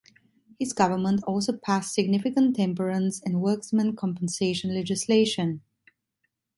His government also passed significant temperance and workmen's compensation legislation.